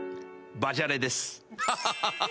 バジャレです。